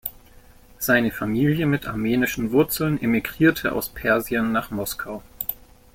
Seine Familie mit armenischen Wurzeln emigrierte aus Persien nach Moskau.